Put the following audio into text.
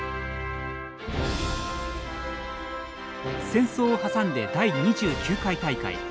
戦争を挟んで第２９回大会。